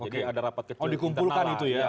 jadi ada rapat kecil kita nambah oh dikumpulkan itu ya